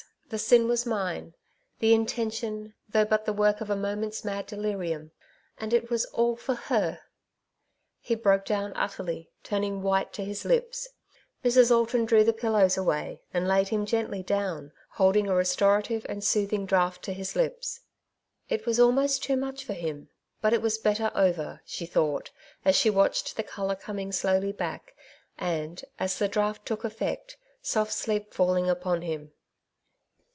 the sin was mine — the intention — though but the work of a moment's mad delirium. And it was all for /ler /" He broke down utterly, turning white to his lips. Mrs. Alton drew the pillows away, and laid him gently down, holding a restorative and soothing draught to his lips. ^^ It was almost too much for him ; but it was better over," she thought, as she watched the colour coming slowly back, and, as the draught took efiect, soft sleep falling upon him.